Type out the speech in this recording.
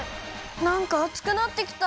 なんかあつくなってきた。